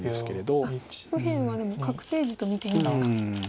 右辺はでも確定地と見ていいんですか。